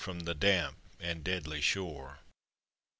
Prom the damp and deadly shore.